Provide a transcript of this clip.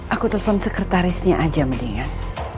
aku telepon sekretarisnya aja mendingan